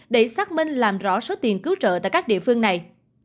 để xác minh làm rõ số tiền cứu trợ tại các địa phương này